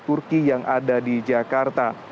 turki yang ada di jakarta